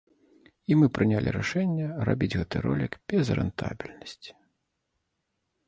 І мы прынялі рашэнне рабіць гэты ролік без рэнтабельнасці.